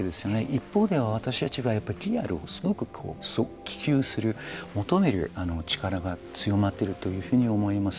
一方で私たちはリアルをすごく求める力が強まっているというふうに思います。